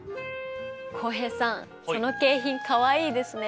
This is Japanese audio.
浩平さんその景品かわいいですね。